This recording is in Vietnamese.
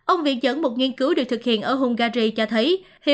ông viện dẫn một nghiên cứu được thực hiện ở hungary cho thấy